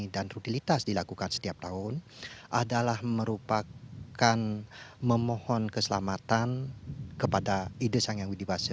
dan rutinitas dilakukan setiap tahun adalah merupakan memohon keselamatan kepada idesang yang widibasa